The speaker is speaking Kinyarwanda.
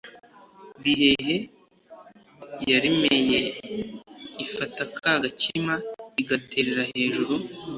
bihehe yaremeye, ifata ka gakima igaterera hejuru